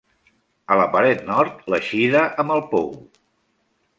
A la paret nord, l'eixida amb el pou.